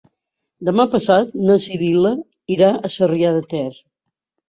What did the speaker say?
Demà passat na Sibil·la irà a Sarrià de Ter.